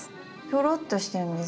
ひょろっとしてるんです。